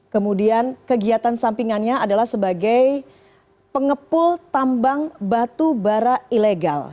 kemudian kegiatan sampingannya adalah sebagai pengepul tambang batu bara ilegal